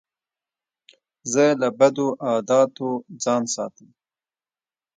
زه له بدو عادتو ځان ساتم.